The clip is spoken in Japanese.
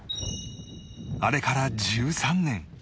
あれから１３年